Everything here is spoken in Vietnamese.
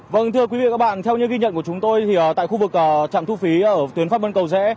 vâng thưa quý vị các bạn theo như ghi nhận của chúng tôi thì tại khu vực trạm thu phí ở tuyến pháp vân cầu dẽ